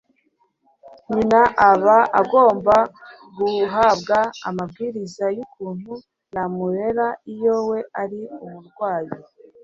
nyina aba agomba guhabwa amabwiriza y'ukuntu yamurera iyo we ari umurwayi